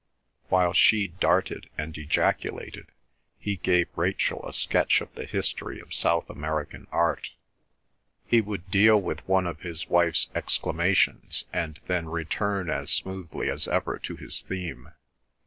While she darted and ejaculated he gave Rachel a sketch of the history of South American art. He would deal with one of his wife's exclamations, and then return as smoothly as ever to his theme.